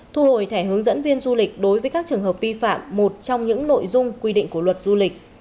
thu hồi thẻ hướng dẫn viên du lịch đối với các trường hợp vi phạm một trong những nội dung quy định của luật du lịch